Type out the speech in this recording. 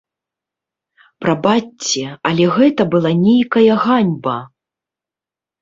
Прабачце, але гэта была нейкая ганьба!